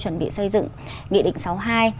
chuẩn bị xây dựng nghị định sáu mươi hai